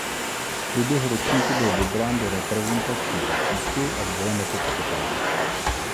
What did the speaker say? V průběhu ročníku byl vybrán do reprezentační dvacítky a zvolen jako kapitán.